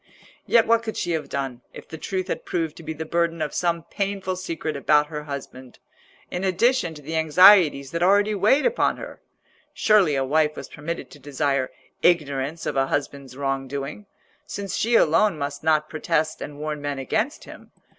Yet what could she have done if the truth had proved to be the burden of some painful secret about her husband, in addition to the anxieties that already weighed upon her? Surely a wife was permitted to desire ignorance of a husband's wrong doing, since she alone must not protest and warn men against him.